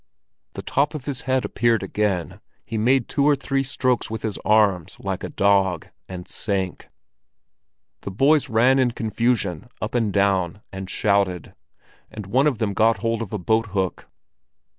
The top of his head appeared again, he made two or three strokes with his arms like a dog, and sank. The boys ran in confusion up and down and shouted, and one of them got hold of a boat hook.